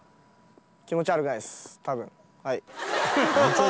「気持ち悪くないです」。